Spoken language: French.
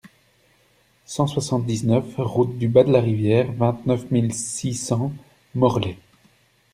cent soixante-dix-neuf route du Bas de la Rivière, vingt-neuf mille six cents Morlaix